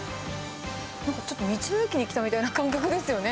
なんかちょっと、道の駅に来たみたいな感覚ですよね。